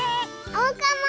おうかも！